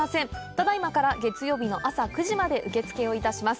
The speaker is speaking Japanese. ただいまから月曜日のあさ９時まで受付を致します